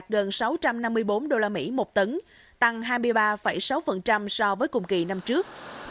đạt gần sáu trăm năm mươi bốn usd một tấn tăng hai mươi ba sáu so với cùng kỳ năm trước